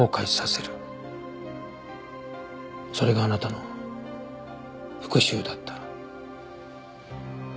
それがあなたの復讐だった。